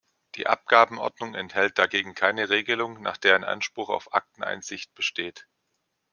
Die Abgabenordnung enthält dagegen keine Regelung, nach der ein Anspruch auf Akteneinsicht besteht.